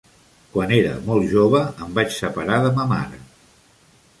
Quan era molt jove, em vaig separar de ma mare.